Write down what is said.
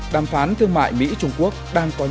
đàm phán thương mại mỹ trung quốc đang coi nhau